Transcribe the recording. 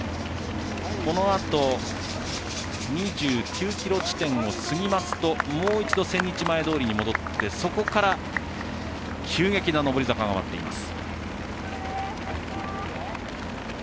このあと、２９ｋｍ地点を過ぎますともう一度、千日前通に戻ってそこから急激な上り坂となっています。